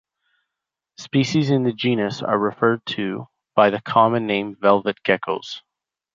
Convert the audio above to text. Species in the genus are referred to by the common name velvet geckos.